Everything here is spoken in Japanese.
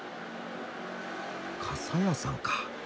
傘屋さんか。